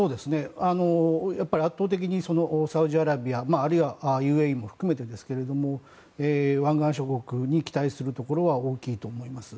やっぱり圧倒的にサウジアラビアあるいはＵＡＥも含めてですけど湾岸諸国に期待するところは大きいと思います。